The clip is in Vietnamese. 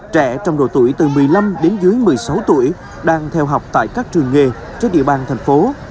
trẻ trong độ tuổi từ một mươi năm đến dưới một mươi sáu tuổi đang theo học tại các trường nghề trên địa bàn thành phố